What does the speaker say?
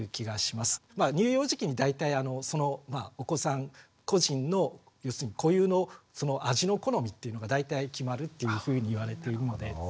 乳幼児期に大体そのお子さん個人の要するに固有の味の好みっていうのが大体決まるっていうふうにいわれているのでですね。